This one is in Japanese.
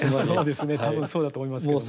多分そうだと思いますけども。